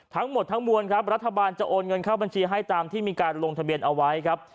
ทั้งหมดทั้งมวลครับรัฐบาลจะโอนเงินเข้าบัญชีให้ตามที่มีการลงทะเบียนเอาไว้ครับ